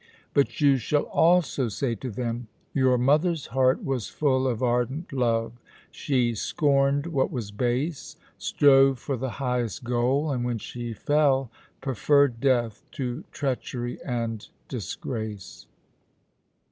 But you shall also say to them: 'Your mother's heart was full of ardent love, she scorned what was base, strove for the highest goal, and when she fell, preferred death to treachery and disgrace.'"